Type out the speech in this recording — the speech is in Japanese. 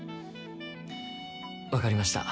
分かりました。